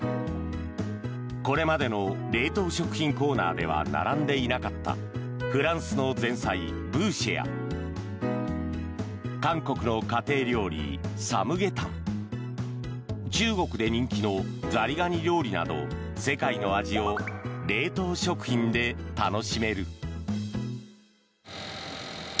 これまでの冷凍食品コーナーでは並んでいなかったフランスの前菜、ブーシェや韓国の家庭料理、サムゲタン中国で人気のザリガニ料理など世界の味を冷凍食品で楽しめる。